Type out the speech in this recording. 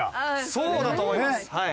そうだと思いますはい。